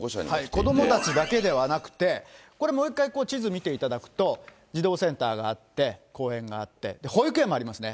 子どもたちだけではなくて、これもう一回地図見ていただくと、児童センターがあって、公園があって、保育園もありますね。